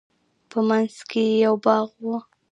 په منځ کښې يې يو باغ و.